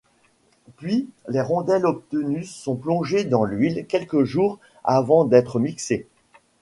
Puis les rondelles obtenues sont plongées dans l'huile quelques jours avant d'être mixées.